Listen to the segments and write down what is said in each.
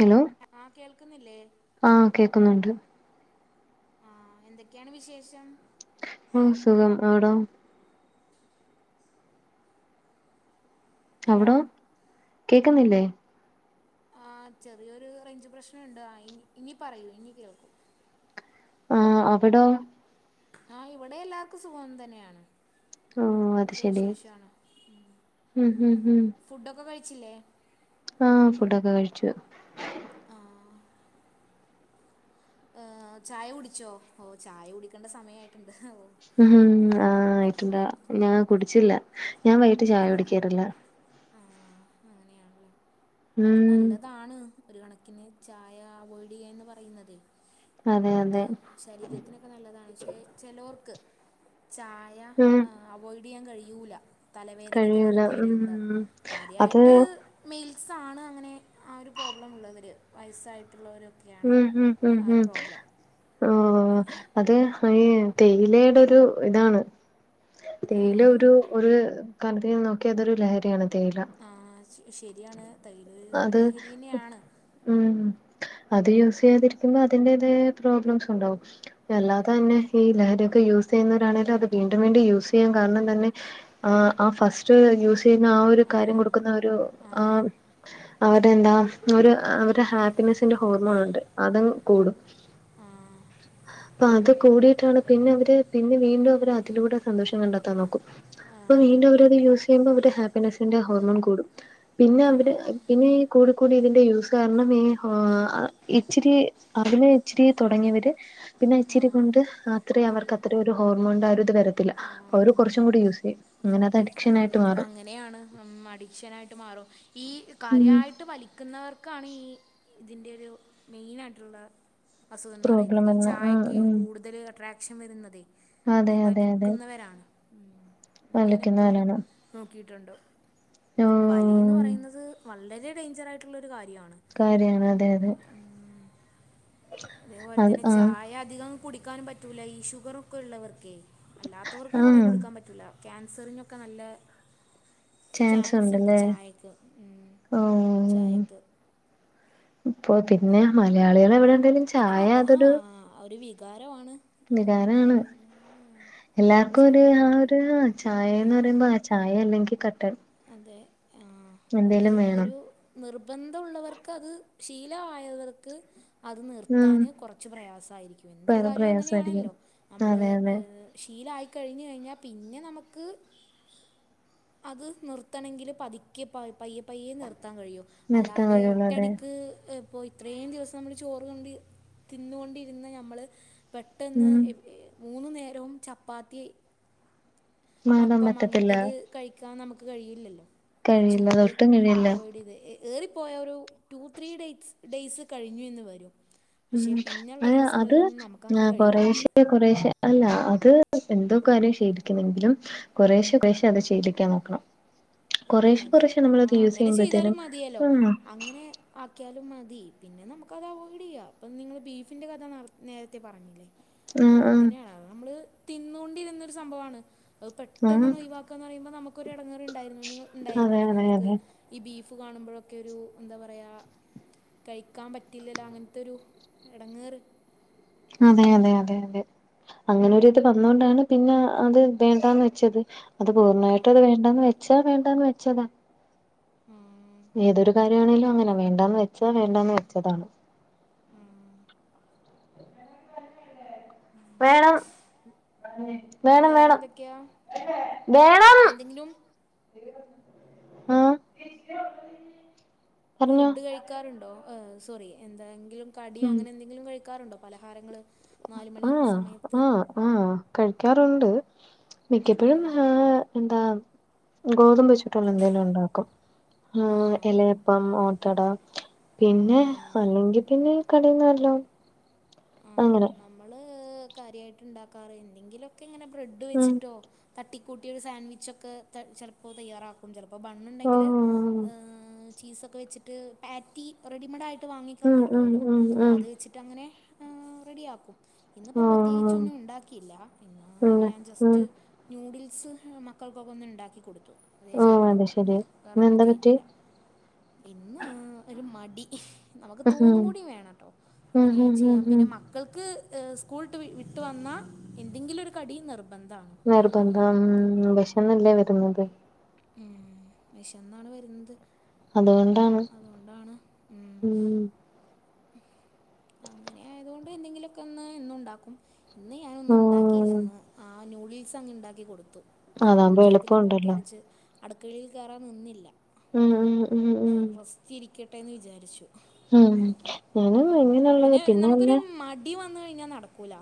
Hello ആ കേൾക്കുന്നില്ലേ ആ കേക്കുന്നുണ്ട് അഹ് എന്തൊക്കെയാണ് വിശേഷം ആഹ് സുഖം അവിടോ ഹലോ അവിടോ കേക്കുന്നില്ലേ ആഹ് ചെറിയൊരു റേഞ്ച് പ്രശ്നം ഉണ്ട് ആ ഇനി ഇനി പറയൂ ഇനി കേൾക്കും ആഹ് അവിടോ ആഹ് ഇവിടെ എല്ലാർക്കും സുഖം തന്നെയാണ് ഓഹ് അത് നല്ല ശെരി വിശേഷാണ് ഉം ഉം ഫുഡൊക്കെ കഴിച്ചില്ലേ ആ ഫുഡൊക്കെ കഴിച്ചു ആഹ് ചായ കുടിച്ചോ ഓ ചായ കുടിക്കേണ്ട സമയായിട്ടുണ്ട് ഓഹ് ഉം ആഹ് ആയിട്ടുണ്ടാ ഞാൻ കുടിച്ചില്ല ഞാൻ വൈ ആഹ് അങ്ങനെയാണല്ലേ അത് ഉം നല്ലതാണ് ഒരു കണക്കിന് ചായ അവോയ്ഡ്യ്യാന്ന് പറയുന്നതേ അതെ നമുക്ക് അതെ ശരീരത്തിനൊക്കെ നല്ലതാണ് പക്ഷെ ചിലോർക്ക് ചായ ഉം അവോയ്ഡയ്യാൻ കഴിയൂല തലവേദനയൊക്കെ കഴിയൂല ഉം വരുന്നവരുണ്ട് അത് കാര്യായിട്ട് മെയിൽസാണ് അങ്ങനെ ആ ഒരു പ്രോബ്ലം ഉള്ളവര് വയസ്സായിട്ടുള്ളവരൊക്കെ ഉം ഉം ഉം ഉം ഓ അത് അഈ തേയിലയുടെ ഒരു ഇതാണ് തേയില ആഹ് ഒരു ഒരു കണക്കിന് നോക്കിയ അതൊരു ലഹരിയാണ് തേയില ആഹ് ശരിയാണ് തേയില അത് ലഹരിന്നെയാണ് ഉം അത് യൂസ് ചെയ്യാതിരിക്കുമ്പോ അതിന്റേതായ പ്രോബ്ലംസ് ഉണ്ടാവും ഉം അല്ലാതെ തന്നെ ഈ ലഹരി ഒക്കെ യൂസ് ചെയ്യുന്നവരാണേലും അത് വീണ്ടും വീണ്ടും യൂസ് കുടി കാരണം തന്നെ ആഹ് അ ഫസ്റ്റ് യൂസ് ചെയ്യുന്ന ആ ഒരു അതെ കാര്യം എന്ന് കൊടുക്കുന്ന ഒരു ആ ആഹ് അവരന്താ ഒരു അവര ഹാപ്പിനെസിന്റെ ഹോർമോൺ ഉണ്ട് അതങ്ങു കൂടും ആഹ് അത് കൂടിയിട്ടാണ് പിന്നെ അവര് പിന്നെ വീണ്ടും അവര് അതിലൂടെ സന്തോഷം കണ്ടെത്താൻ നോക്കും ആ, അപ്പൊ വീണ്ടും അതെ അവരത് യൂസയ്യുമ്പോ അവരുടെ ഹാപ്പിനെസിന്റെ ഹോർമോൺ കൂടും ആ, പിന്നെ അവര് പിന്നെ ഈ കുടു കൂടി ഇതിന്റെ യൂസ് കാരണം ഈ ഇച്ചിരി അതിനെ ഇച്ചിരി തുടങ്ങിയവര് പിന്നെ ആ, ഇച്ചിരി കൊണ്ട് അത്രേ അവർക്ക് അത്ര ഒരു ഹോർമോൺന്റെ ആ ഒരു ഇത് വരത്തില്ല ആ. കുറച്ചും കൂടി യൂസ് ചെയ്യും അങ്ങെനത- അതെ അങ്ങനെയാണ് അഡിക്ഷനായിട്ട് മാറും ഈ ഉം കാര്യയിട്ട് വലിക് വലിക്കുന്നവർക്കാണ് ഈ ഇതിൻ്റെ ഒരു മെയിനായിട്ടുള്ള അസുഖം എന്ന് പ്രോബ്ലം പറയുന്നത് ഈ എന്ന് ഉം ചായക്കെ ഉം കൂടുതൽ അട്രാക്ഷൻ വരുന്നത് ഈ അതെ അതെ അതെ വലിക്കുന്നവരാണ് ഉ ഞാന വലിക്കുന്നവരാണ് നോക്കിയിട്ടുണ്ടോ ഓ വലീന്ന് പറയുന്നത് വളരെ ഡേഞ്ചർ ആയിട്ടുള്ള ഒരു കാര്യമാണ് കാര്യാണ് അതെ അതെ അതേപോലെ അത് തന്നെ ആഹ് ചായ അധികം കുടിക്കാനും പറ്റൂല ഈ ഷുഗർ ഒക്കെ ഉള്ളവർക്കേ അല്ലാത്തവർക്കും കുറെ ആഹ് കൊടുക്കാൻ പറ്റൂല്ല ക്യാൻസറിനൊക്കെ നല്ല ചാൻസ് ണ്ട് ചായക്ക് ചായക്ക് പ്പൊ പിന്നെ മലയാളികൾ എവിടെ ണ്ടേലും പിന്നെ അവ ആഹ് ഒരു വികാരാണ് വികാരാണ് മലര ചായയന്ന് പറയുന്നത് ചായേന്ന് പറയുമ്പോ ആ ചായ അല്ലെങ്കി കട്ടൻ അതെ ആഹ് അത് എന്തേലും വേണം ഒരു നിർബന്ധുള്ളവർക്കത് ശീലവായവർക്ക് അത് ഉം നിർത്താന് കൊറച്ച് പ്രയാസായിരിക്കും. എന്തൊരു വേറെ കാര്യവും പ്രയാസായിരിക്കും അങ്ങനെയാണല്ലോ നമ്മള് അതെ അതെ ഹ് ശീലായിക്കഴിഞ് കഴിഞ്ഞാ പിന്നെ നമുക്ക് അത് നിർത്തണെങ്കില് പതിക്കെ പ പയ്യെ പയ്യെ നിർത്താൻ കഴിയു നിർത്താൻ അല്ലാതെ കഴിയുള്ളൂ അതെ ഒറ്റടിക്ക് പ്പോ ഇത്രേയും ദിവസം നമ്മൾ ചോറ് കൊണ്ട് തിന്നുകൊണ്ടിരുന്ന ഞമ്മൾ പെട്ടെന്ന് ഉം എ മൂന്നു നേരവും ചപ്പാത്തി മാറാൻ അപ്പം പറ്റത്തില്ല അങ്ങൻത്തത് കഴിക്കാൻ നമുക്ക് കഴിയില്ലല്ലോ, അപ്പ ഈ കഴിയില്ല ചോറ് ഒട്ടും കഴിയില്ല അവോയ്ഡ് ചെയ്ത് എ ഏറിപ്പോയ ഒരു ടു ത്രീ ഡേ ഡേയ്സ് കഴിഞ്ഞു എന്ന് വരും പക്ഷേ ഉം പിന്നെള്ള ദിവസങ്ങളിലൊന്നും നമുക്കങ്ങനെ കഴിയൂല്ല അത് കൊറെശ്ശെ അല്ല അത് എന്തോ കാര്യം ശേലിക്കുന്നെങ്കിലും കൊറേശ്ശെ കൊറേശ്ശെ അത് ശീലിക്കാൻ നോക്കണം കൊറേശ്ശെ അതെ കൊറേശ്ശെ നമ്മളത് ആഹ് യൂസ് അങ്ങനെ ചെയ്യുമ്പഴത്തേനും ചെയ്താലും മതിയല്ലോ ആഹ് അങ്ങനെ ആക്കിയാലും മതി പിന്നെ നമുക്ക്ത് അവോയ്ഡ് യ്യാം അപ്പ നിങ്ങള് ബീഫിന്റെ കഥ നേരത്തെ പറഞ്ഞില്ലേ ആഹ് അതുപോലെ തന്നെയാണ് നമ്മള് തിന്നോണ്ടിരുന്നൊരു സംഭവാണ് അത് ആഹ് പെട്ടെന്നണ്ട് ഒയ് വാക് ക്കാന്നറിമ്പനമ്മക്കൊരെടങ്ങറണ്ടായിര്ന്ന് ആഹ് അതെ ഉണ്ടായിരുന്നില്ലേ അതെ നിങ്ങൾക്ക് അതെ ഈ ബീഫ് കാണുമ്പഴൊക്കെ ഒരു എന്താ പറയാ കഴിക്കാൻ പറ്റില്ലല്ലോ അങ്ങൻത്തൊരു എടങ്ങേറ് അതെ അതെ അതെ അതെ ആ, അങ്ങനെ ഒരു ഇത് വന്നൊണ്ടാണ് പിന്നെ അത് വേണ്ടാന്ന് വെച്ചത് അത് ആ, പൂർണ്ണമായിട്ടും അത് വേണ്ടാന്ന് വെച്ചാ വേണ്ടാന്ന് വെച്ചതാ ഉം ഏതൊരു കാര്യമാണേലും അങ്ങനെ വേണ്ടാന്ന് വെച്ചാ വേണ്ടാന്ന് വെച്ചതാണ് ഉം വേണം വേണം വേറെ വേണം എന്തൊക്കെയാ വേണം എന്തെങ്കിലും ആഹ് പറഞ്ഞോ ഫുഡ് കഴിക്കാറുണ്ടോ, ഏഹ് സോറി എന്തെങ്കിലും കടിയോ ഉം അങ്ങനെ എന്തെങ്കിലും കഴിക്കാറുണ്ടോ പലഹാരങ്ങള് നാല് മണി ആഹ് സമയത്ത് ആഹ് ആഹ് കഴിക്കാറുണ്ട് ആ മിക്കപ്പോഴും ആഹ് എന്താ ഗോതമ്പ് വെചുട്ടള്ള എന്തേലും ഉണ്ടാക്കും ആ ഉം ഇലയപ്പം ഓട്ടട പിന്നെ ആ അല്ലെങ്കി പിന്നെ കടന്നല്ലോ ഉം നമ്മള് കാര്യായിട്ട് ഇണ്ടാക്കാറ് എന്തെങ്കിലൊക്കെ ഇങ്ങനെ ബ്രെഡ് ഉം വെച്ചിട്ടോ തട്ടിക്കൂട്ടിയൊരു സാൻഡ്വിച്ചൊക്കെ ചിലപ്പോൾ തയ്യാറാക്കും ചെലപ്പോ ബണ്ണ്ണ്ടെങ്കിൽ ഓഹ് ചീസൊക്കെ വെച്ചിട്ട് പാറ്റി റെഡിമെഡാ - വാങ്ങിക്കാൻ ഉം ഉം കിട്ടുവല്ലോ ഉം ഉം അത് വെച്ചിട്ടങ്ങനെ റെഡി ആക്കും ഇന്നിപ്പൊ ഓഹ് പ്രത്യേകിച്ചൊന്നും ഉണ്ടാക്കിയില്ല ഇന്ന് പിന്നെ ഞാൻ ജസ്റ്റ് ഉം ന്യൂഡിൽസ് മക്കൾക്കൊക്കൊന്ന് ഉണ്ടാക്കി കൊടുത്തു അതേ ഓഹ് അത് ചെയ്തിട്ടുള്ളൂ ശരി വേറൊന്നും ഇന്നെന്താ പറ്റി ചെയ്തില്ല ഇന്ന് ഒരു മടി നമുക്ക് ഉം തോന്നും കൂടി വേണട്ടോ ഉം ഇങ്ങനെ ഉം ഉം ചെയ്യാം ഉം പിന്നെ മക്കൾക്ക് സ്കൂൾട്ട് വിട്ട് വന്നാൽ എന്തെങ്കിലും ഒരു കടി നിർബന്ധമാണ് നിർബന്ധം ഉം വെഷന്നല്ലേ വരുന്നത് ഉം വിഷന്നാണ് വരുന്നത് അതുകൊണ്ടാണ് അതുകൊണ്ടാണ് ഉം അങ്ങനെ ആയതുകൊണ്ട് എന്തെങ്കിലൊക്കൊന്ന് എന്നുണ്ടാക്കും ഇന്ന് ഞാനൊന്നും ഉം ഉണ്ടാക്കിയില്ലന്ന് ആഹ്, നൂഡിൽസങ്ങ് ണ്ടാക്കി കൊടുത്തു വേറൊന്നും അതാകുമ്പോ ചെയ്തില്ല എളുപ്പമുണ്ടല്ലോ പ്രത്യേകിച്ച് അട്ക്കളയിൽ കേറാൻ നിന്നില്ല ഉം പൊ റെസ്റ്റി രിക്കട്ടെന്ന് വിചാരിച്ചു ഉം ഞാനും ഉം ഇങ്ങനെയുള്ളത് പിന്നെ വല്ല നമുക്കൊരു മടി വന്ന് കഴിഞ്ഞാ നടക്കൂല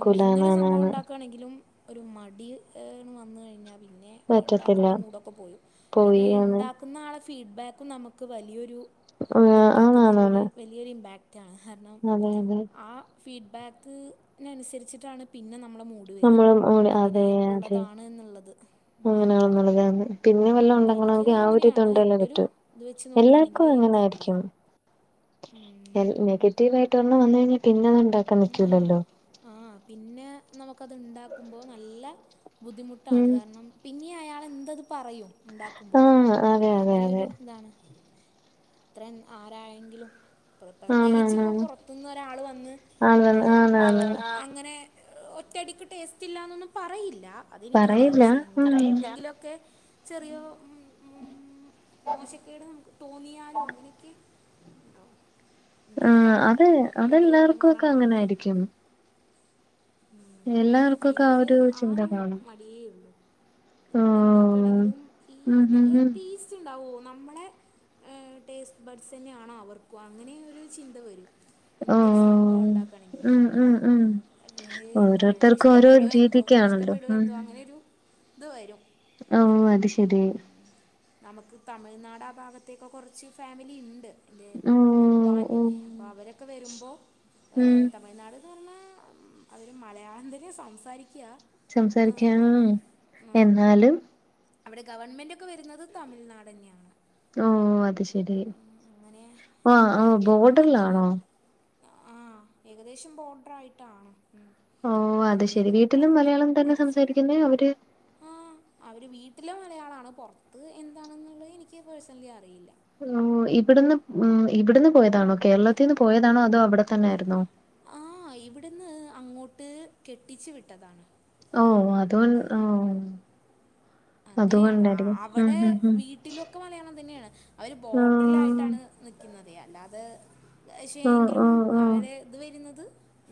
ഒന്ന് എന്തൊരു സംഭവം ആണാണാണ് ണ്ടാക്കാണെങ്കിലും ഒരു മടി ഏണ് വന്ന് കഴിഞ്ഞാ പിന്നെ അത് പറ്റത്തില്ല ണ്ടാക്കാള്ള മൂടൊക്കെ പോയും പിന്നി പോയി ആണ് ഇണ്ടാ ക്കുന്ന ആളെ ഫീഡ്ബാക്കും നമുക്ക് വലിയൊരു ഇത്ണ്ടാക്കുന്നൊര് ആണാണാണ് വലിയൊരു ഇമ്പാക് റ്റാണ് കാരണം അതെ അതെ ആ ഫീഡ്ബാക്ക് ന് നുസരിച്ചിട്ടാണ് പിന്നെ നമ്മളെ മൂ ട് വെരാ നമ്മളും ഓടി എങ്ങനെ അതെ അതെ ഇള്ളതാണ് ന്ന്ള്ളത് ഉം അങ്ങനെയാണെന്നുള്ളതാണ് പിന്നെ വല്ല ഉം എനിക്ക് ഉണ്ടെങ്കണമെങ്കിൽ ആ ഒരു അങ്ങനെയാണ് ഇതുണ്ടല്ലേ എന്റെ ഒരു പറ്റൂ ഇത് വെച്ച് നോക്കാണെങ്കില് എനിക്ക് അങ്ങനെയാണ് ഉം. നെ നെഗറ്റീവായിട്ട് ഒരെണ്ണം വന്ന് കഴിഞ്ഞാ പിന്നത് ഒണ്ടാ ആഹ് ആഹ് പിന്നെ നമുക്കത്ണ്ടാക്കുമ്പോ നല്ല ബുദ്ധിമുട്ടാണ് ഉം കാരണം പിന്നിം അയാൾ എന്തത് പറയും ഉണ്ടാക്കുമ്പോ ആഹ് അതെ അതെ അതെ അങ്ങനെയൊരു ഇതാണ് ഇത്ര ആരായെങ്കിലും പ്രത്യേകിച്ച് ഇപ്പോ ആണാണാണ് പൊർത്ത്ന്നൊരാള് വന്ന് ആണാണ് ഏ അ ആണാണ് അങ്ങനെ ഒറ്റടിക്ക് ടേസ്റ്റ്ല്ലാന്നൊന്നും പറയില്ല അതെനിക്കറിയാം പറയില്ല പക്ഷെ ഉം എങ്കിലൊക്കെ ചെറിയോ ഉം മോശ ക്കേട് നമുക്ക് തോന്നിയാലും അങ്ങനൊക്കെണ്ടാവും ഇൻക്ക് ആഹ് അതാണ് അത് വലിയ അതെല്ലാർക്കും ഒക്കെ എടങ്ങേറാണ് അങ്ങനെ ആയിരിക്കും ഉം എല്ലാവർക്കും ഒക്കെ ആ എനിക്ക് ഒരു ആ ചിന്ത ഒരു കാണും മടിയേ ഉള്ളൂ ആഹ് എന്തുണ്ടാക്കാണെങ്കിലും ഈ ഉം ഉം നല്ല ഉം ടേസ്റ്റ്ണ്ടാവോ നമ്മളെ ഏ ടേസ്റ്റ് ബഡ്സെന്നെയാണോ അവർക്കും അങ്ങനെ ഒരു ചിന്ത വരും എന്തൊരു സംഭവം ആഹ് ഉണ്ടാക്കാണെങ്കിലും ഉം ഉം ഉം [unintelligible] ഓരോരുത്തർക്കും ഓരോ ഇഷ്ടപ്പെടോ എന്തോ രീതിക്കാണല്ലോ ഇഷ്ടപ്പെടോ ഉം എന്തോ അങ്ങനെയൊരു ത് വരും ഓഹ് അത് ശരി ഉം നമക്ക് തമിഴ്നാട് ആ ഭാഗത്തേക്ക് കൊർച്ച് ഫാമിലിണ്ട് എൻ്റെ ഓഹ് ഉപ്പാൻ്റെ ഓഹ് അപ്പോ അവരൊക്കെ വെരുമ്പോ ഏ ഉം തമിഴ്നാട്ന്ന് പർഞ്ഞാ അവര് മലയാളം തന്നെ സംസാരിക്കാ സംസാരിക്കാ എന്നാലും അവടെ ഗവൺമെന്റൊക്കെ വരുന്നതും തമിഴ്നാടെന്ന്യാണ് ഓ അത് ശെരി ആ ആ അപ്പോൾ അങ്ങനത്തൊരു ബോർഡറിലാണോ ആ ഏകദേശം ബോർഡറായിട്ടാണ് ഉം ഓ അത് ശെരി വീട്ടിലും മലയാളം തന്നെ പ്ലേസ് ഒന്നും സംസാരിക്കുന്നെ അറിയില്ല അവര് ആ അവര് വീട്ടില് മലയാളാണ് പൊർത്ത് എന്താണെന്നുള്ളത് എനിക്ക് പേഴ്സൺലി അറിയില്ല ഓ ഇവ്ട്ന്ന് ഉം ഇവ്ട്ന്ന് പോയതാണോ കേരളത്തിന്ന് പോയതാണോ അതോ അവടെ തന്നായിരുന്നോ ആ ഇവിടുന്ന് അങ്ങോട്ട് കെട്ടിച്ച് വിട്ടതാണ് ഓ അത്കൊൺ ഓ അങ്ങനെയാണോ ആ അതുകൊണ്ടായിരിക്കും. ഉം അവടെ ഉം ഉം. വീട്ടിലൊക്കെ മലയാളം തന്നെയാണ് അവര് ആഹ്. ബോർഡറിലായിട്ടാണ് നിക്ക്ന്നതേ അല്ലാതെ പക്ഷേ ഓഹ് എങ്കിലും ഓഹ് ഓഹ്. അവരെ ഇത് വെര്ന്നത്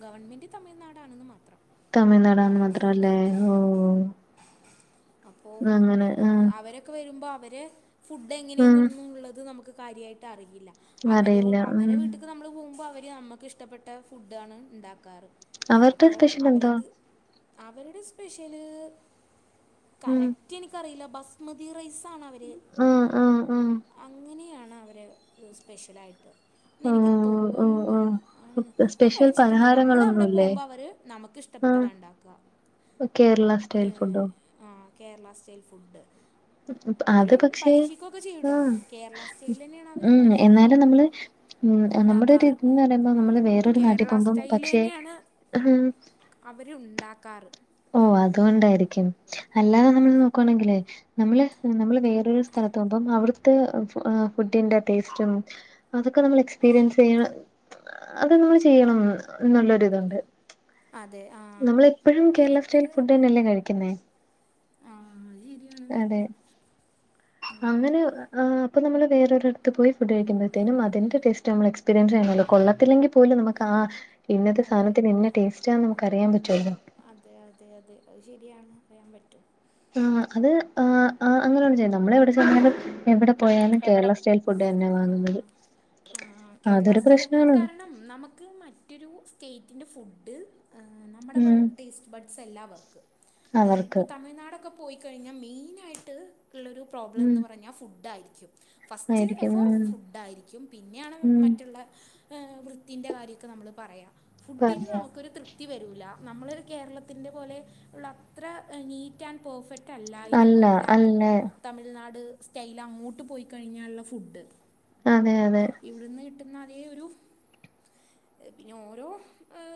ഗവൺമെൻ്റ് തമിഴ്നാടാണെന്ന് മാത്രം തമിഴ്നാടാന്ന് മാത്രല്ലേ ഓ അപ്പോ ആഹ്. അവരൊക്കെ വരുമ്പോ അവര് ഫുഡ് ഉം എങ്ങനെയെന്നൊന്നുള്ളത് നമുക്ക് കാര്യായിട്ട് അറിയില്ല അവരോ അറിയില്ല. ഉം അവരെ വീട്ടിക്ക് നമ്മള് പോവുമ്പോ അവര് നമ്മക്ക് ഇഷ്ടപ്പെട്ട ഫുഡാണ് ഇണ്ടാക്കാറ് അവരുടെ അപ്പോ സ്പെഷ്യൽ എന്താ? അവരത് അവരുടെ സ്പെഷ്യല്. ഉം കറക്റ്റ് ഇൻക്കറിയില്ല ബസ്മതി റൈസാണ് അവര്. ആഹ് ആഹ് ആഹ് അങ്ങനെയാണ് അവര് ഒരു സ്പെഷ്യലായിട്ട്. എന്ന് എനിക്ക് ഓഹ് ഓഹ് തോന്നുന്നു ഓഹ്. ആണ് ഞാൻ സ്പെഷ്യൽ കഴിച്ചിട്ടില്ല നമ്മള് അവിടെ പലഹാരങ്ങളൊന്നുല്ലേ? പോകുമ്പോ അവര് നമക്ക് ഇഷ്ടപ്പെട്ടതാ ഇണ്ടാ ക്ക ഓ കേരളാ സ്റ്റൈല് ഫുഡോ ആഹ് കേരളാ സ്റ്റൈല് ഫുഡ്. അത് അവരും പശെ പരീക്ഷിക്കുകയൊക്കെ ചെയ്യും കേട്ടോ ഉം കേരള സ്റ്റൈൽ തന്നെയാണ് അവർ ഉം കാര്യമായിട്ട് എന്നാലും നമ്മള് ഉം നമ്മടെ ഉണ്ടാക്കാറ് ഇരിത് എന്ന് പറയ്മ്പോ നമ്മള് വേറൊ ഒര് നാട്ടി കേരള പോമ്പാം പക്ഷേ അവരു ഉണ്ടാക്കാറ്. ഓ അത് കൊണ്ടായിരിക്കും അല്ലാതെ നമ്മള് നോക്കാണാങ്കിലെ നമ്മള് നമ്മള് വേറ് ഒര് സ്ഥലത്ത് പോമ്പം അവ്ടാത്തെ ഫു ഫുഡിന്റെ ടേസ്റ്റും. അതൊക്കെ നമ്മള് എക്സ്പീരിയൻസ് ചെയ്യണം അത് നമ്മള് ചെയ്യണം എന്ന് ഒള്ളര് ഇത് ഒണ്ട്. അതെ ആഹ് എനിക്ക്. ന്ന് കയിക്ക്ന്നേ. ആഹ് അത് ശെരിയാണ്. അതെ അങ്ങന് ആഹ് അപ്പം നമ്മള് വേറെ ഒരടാത്ത് പോയി ഫുഡ് കഴിക്ക്മ്പോഴ്ത്തേനും അതിന്റെ ടെസ്റ്റ് നമ്മള് എക്സ്പീയൻസ് ചെയ്യണാല്ലോ കൊള്ളത്തില്ലെങ്കി പോലും നമ്മാക്ക് ആഹാ ഇങ്ങനത്തെ അതെ സാനത്തിന് ഇന്നാ ടേസ്റ്റ് ആന്ന് നമ്മക്ക് അറിയാൻ പറ്റുല്ലോ അതെ അതെ അതെ അത് ശെരിയാണ് അറിയ്യാൻ പറ്റും. ആഹ് അത് ആഹ് അങ്ങനേന്നു ചെയ്യണ്ടാ നമ്മള് എവടെ [unintelligible] എവടെ പോയിലും കേരള എവിടെ സ്റ്റൈല് ഫുഡ് അന്നെയാ വാങ്ങ്ന്നാത് ആഹ് അതൊര് പ്രശ്നാണ്. ണം നമുക് ക്ക് മറ്റൊരു സ്റ്റേറ്റിൻ്റെ ഫുഡ് നമ്മടെ ഉം ബടേസ്റ്റ് ബഡ്സ് എല്ലാ അവർക്ക്. അവർക്ക് ഇപ്പൊ തമിഴ്നാടൊക്കെ പോയിക്കഴിഞ്ഞാ മെയിനായിട്ട് ഉള്ളാരു പ്രോബ്ലം ഉം എന്ന് പറഞ്ഞാ ഫൂ ഡ് ആയിരുക്കും ഫാസ്റ്റ് ആയിരിക്കും എഫർ ഉം ഫുഡായിരിക്കും പിന്നെയാണ് ഉം മറ്റുള്ളാ യെ വൃത്തിൻ്റെ കാര്യക്കെ നമ്മള് പറയാ ഫുഡിന് പറയാ നമ്മക്ക് ഒര് ത്യ ത്തി വെരൂല്ല നമ്മള് ഒര് കേരളത്തിൻ്റെ പോലെ ഒള്ള അത്ര നീറ്റ് ആഡ് പെർഫെക്റ്റ് ക്കാല്ലായി അല്ല അല്ലാ അല്ല തമിഴ്നാട് സ്റ്റൈല് അങ്ങോട്ട് പോയിക്കയിഞ്ഞാലൊള്ള ഫുഡ്. അതെ അതെ ഇവട്ന്ന് കിട്ട്ന്നാ അതേ ഒരു പിന്നെ ഓരോ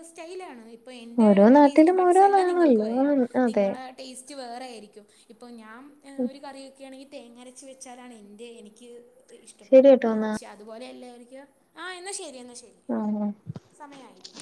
സ്റ്റൈലാണ്. ഇപ്പൊ എന്റെ ഓരോ ടേസ്റ്റ് നാട്ടിലും ബഡ്സ് അല്ലാ നിങ്ങൾക്ക് ഓരോന്നാണല്ലോ വെര്യാ അതെ നിങ്ങളെ ടേസ്റ്റ് വേറേ ആരിക്കും ഇപ്പോ ഞാൻ ഒര് കറി വെക്കായാണെങ്കി തെങ്ങാ അര ച്ച് വെച്ചാണ് എൻ്റെ എനിക്ക് ശരി ഇഷ്ടപ്പെട്കാ കേട്ടോ എന്നാ ശെ അ അത്പോലെ എല്ലായിരിക്ക്യാ ആഹ് എന്നാ ശെരി എന്നാ ശെരി ആഹ് ആഹ് സമയം ആയില്ലേ